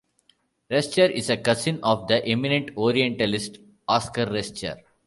Rescher is a cousin of the eminent orientalist Oskar Rescher.